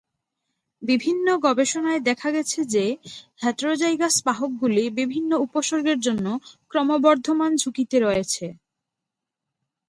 বিভিন্ন গবেষণায় দেখা গেছে যে হেটেরোজাইগাস বাহকগুলি বিভিন্ন উপসর্গের জন্য ক্রমবর্ধমান ঝুঁকিতে রয়েছে।